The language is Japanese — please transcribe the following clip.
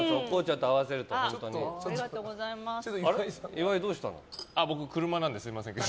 岩井、どうしたの？